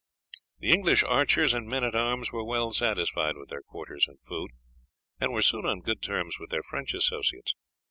The English archers and men at arms were well satisfied with their quarters and food, and were soon on good terms with their French associates.